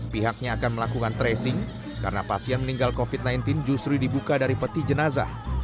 pihaknya akan melakukan tracing karena pasien meninggal covid sembilan belas justru dibuka dari peti jenazah